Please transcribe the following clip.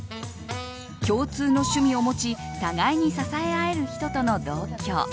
共通の趣味を持ち互いに支え合える人との同居。